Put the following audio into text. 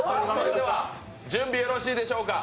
準備よろしいでしょうか。